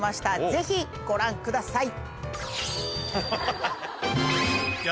ぜひご覧ください。